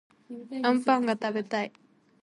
あんぱんがたべたい